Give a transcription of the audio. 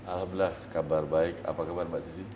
alhamdulillah kabar baik apa kabar mbak sisi